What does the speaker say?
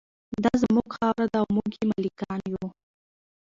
دا زموږ خاوره ده او موږ یې مالکان یو.